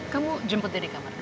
kamu jemput dia di kamar